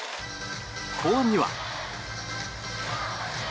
後半には。